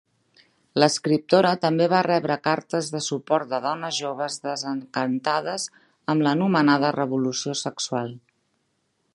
L'escriptora també va rebre cartes de suport de dones joves desencantades amb l'anomenada revolució sexual.